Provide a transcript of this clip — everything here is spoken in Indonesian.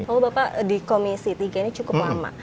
kalau bapak di komisi tiga ini cukup lama